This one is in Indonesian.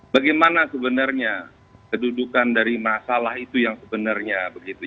bagaimana sebenarnya kedudukan dari masalah itu yang sebenarnya begitu